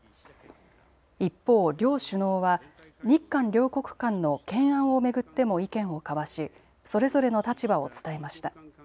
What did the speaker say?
一方、両首脳は日韓両国間の懸案を巡っても意見を交わしそれぞれの立場を伝えました。